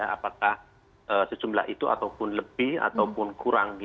apakah sejumlah itu ataupun lebih ataupun kurang